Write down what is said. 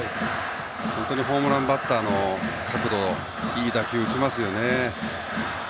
本当にホームランバッターの角度いい打球を打ちますよね。